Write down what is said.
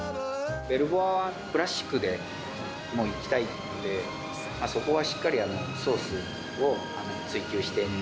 ヴェル・ボワはクラシックでいきたいんで、そこはしっかりソースを追求して。